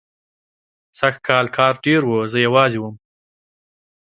سږکال کار ډېر و، زه یوازې وم.